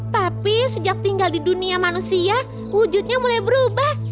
tapi sejak tinggal di dunia manusia wujudnya mulai berubah